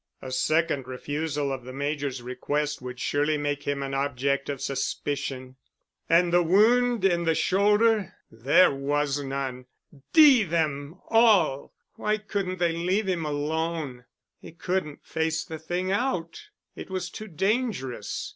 A second refusal of the Major's request would surely make him an object of suspicion. And the wound in the shoulder—there was none! D—n them all! Why couldn't they leave him alone? He couldn't face the thing out. It was too dangerous.